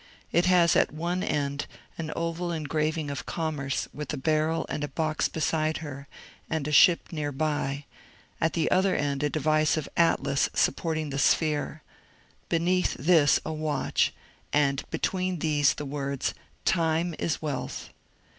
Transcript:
It has at one end an oval engraving of Commerce with a barrel and a box be side her, and a ship near by ; at the other end a device of Atlas supporting the sphere ; beneath this a watch, and be tween these the words, *' Time is Wealth."